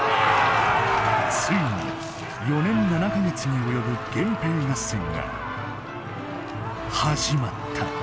ついに４年７か月に及ぶ源平合戦が始まった。